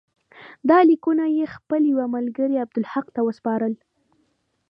دا لیکونه یې خپل یوه ملګري عبدالحق ته وسپارل.